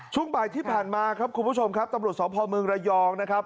ช่วงบ่ายที่ผ่านมาครับคุณผู้ชมครับตำรวจสพเมืองระยองนะครับ